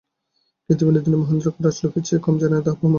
কিন্তু বিনোদিনী মহেন্দ্রকে রাজলক্ষ্মীর চেয়ে কম জানে না, তাহাই প্রমাণ হইল।